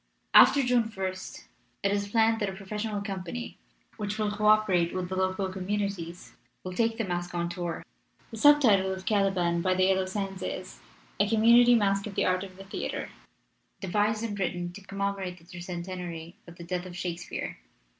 After June ist it is planned that a professional company, which will co operate with the local communities, will take the masque on tour. "The subtitle of Caliban by the Yellow Sands is A Community Masque of the Art of the Theater, 317 LITERATURE IN THE MAKING Devised and Written to Commemorate ike Tercen tenary of the Death of Shakespeare.